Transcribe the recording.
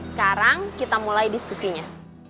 sekarang kita mulai diskusinya